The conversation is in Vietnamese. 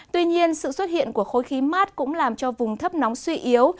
tuy nhiên sự xuất hiện của khối khí mát cũng làm cho vùng thấp nóng suy yếu